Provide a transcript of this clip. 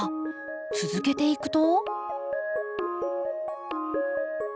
続けていくと。